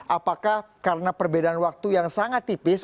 apakah karena perbedaan waktu yang sangat tipis